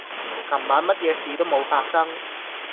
琴晚乜嘢事都冇發生